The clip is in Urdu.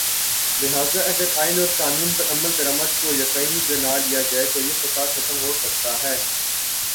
لہذا اگر آئین اور قانون پر عمل درآمد کو یقینی بنا لیا جائے تویہ فساد ختم ہو سکتا ہے۔